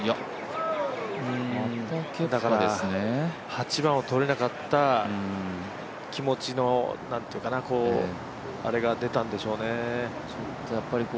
８番を取れなかった気持ちのあれが出たんでしょうね。